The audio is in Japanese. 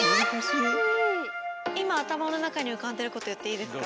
今頭の中に浮かんでること言っていいですか。